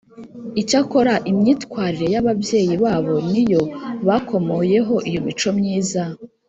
Icyakora imyitwarire y’ababyeyi babo ni yo bakomoyeho iyo mico myiza.